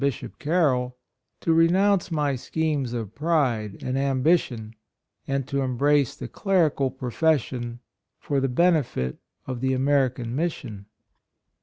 Bishop Carroll, to re nounce my schemes of pride and ambition and to embrace the cleri cal profession for the benefit of the American Mission."